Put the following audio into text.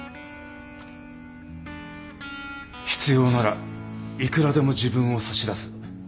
必要ならいくらでも自分を差し出す。